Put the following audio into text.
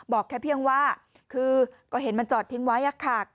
บอกแค่เพียงว่าคือก็เห็นมันจอดทิ้งไว้ค่ะ